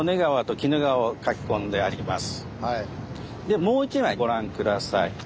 でもう一枚ご覧下さい。